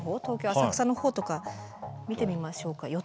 東京・浅草の方とか見てみましょうか。